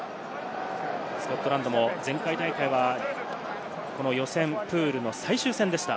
スコットランドも前回大会はこの予選プールの最終戦でした。